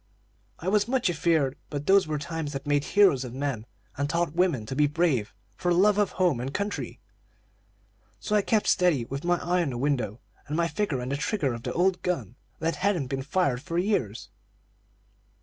"I was much afeard; but those were times that made heroes of men, and taught women to be brave for love of home and country. So I kept steady, with my eye on the window, and my finger on the trigger of the old gun, that hadn't been fired for years.